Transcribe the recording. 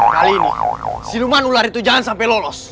kali ini siluman ular itu jangan sampai lolos